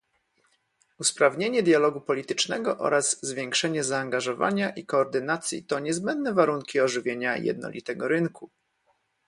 Usprawnienie dialogu politycznego oraz zwiększenie zaangażowania i koordynacji to niezbędne warunki ożywienia jednolitego rynku